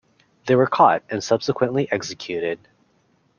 They were caught and subsequently executed.